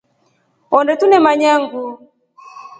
Honde tunemanya nguu.